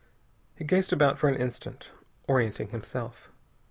He gazed about for an instant, orienting himself.